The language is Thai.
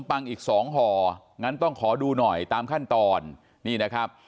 ปังอีกสองห่องั้นต้องขอดูหน่อยตามขั้นตอนนี่นะครับ